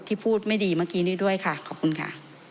พูดไม่ดีเมื่อกี้นี้ด้วยค่ะขอบคุณค่ะ